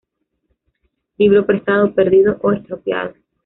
Libro prestado, perdido o estropeado